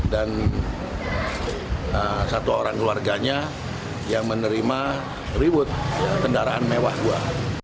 dan satu orang keluarganya yang menerima reward kendaraan mewah dua